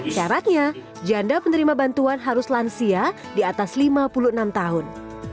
syaratnya janda penerima bantuan harus lansia di atas lima puluh enam tahun